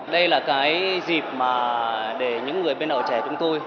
đây là cái dịp mà để những người bên ở trẻ chúng tôi